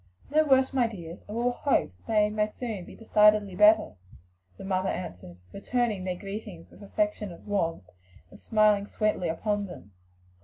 "No worse, my dears; and we will hope that they may soon be decidedly better," the mother answered, returning their greetings with affectionate warmth and smiling sweetly upon them.